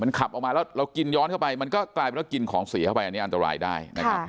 มันขับออกมาแล้วกินย้อนเข้าไปกลายเป็นกินของสีเข้าไปอันนี้อันตรายได้